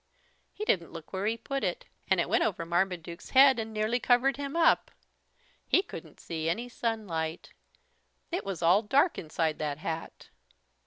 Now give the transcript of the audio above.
He didn't look where he put it and it went over Marmaduke's head and nearly covered him up. He couldn't see any sunlight. It was all dark inside that hat.